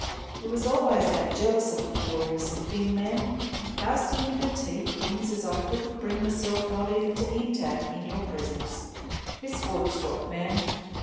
He was allus that jealous of the pore innocent thing, mem castin' in her teeth things as I couldn't bring myself not even to 'int at in your presence, Miss Woodstock, mem.